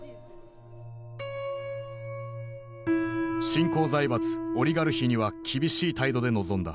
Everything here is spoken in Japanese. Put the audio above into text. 新興財閥オリガルヒには厳しい態度で臨んだ。